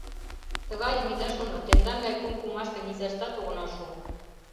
— Тыгайым ида шоно, тендан гай кум-кумашке низаштат огына шу.